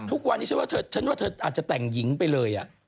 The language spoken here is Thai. ทุกวันนี้ฉันว่าเธออาจจะแต่งหญิงไปเลยอ่ะ